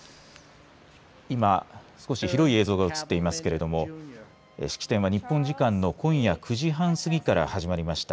今、少し広い映像が映っていますけれども式典は日本時間の今夜９時半過ぎから始まりました。